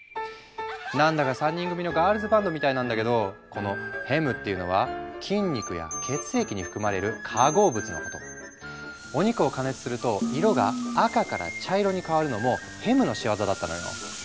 何だか３人組のガールズバンドみたいなんだけどこのヘムっていうのはお肉を加熱すると色が赤から茶色に変わるのもヘムの仕業だったのよ。